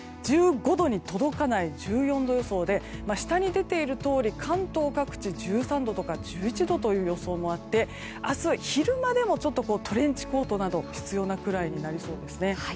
１５度に届かない１４度予想で下に出ているとおり、関東各地１３度とか１１度という予想もあって明日、昼間でもちょっとトレンチコートなど必要なくらいになりそうです。